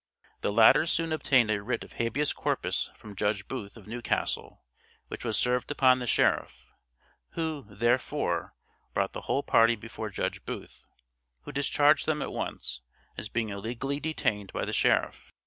The latter soon obtained a writ of habeas corpus from Judge Booth of New Castle, which was served upon the sheriff; who, therefore, brought the whole party before Judge Booth, who discharged them at once, as being illegally detained by the sheriff.